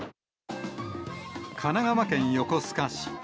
神奈川県横須賀市。